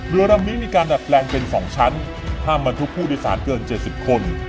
เรือลำนี้มีการดัดแปลงเป็น๒ชั้นห้ามบรรทุกผู้โดยสารเกิน๗๐คน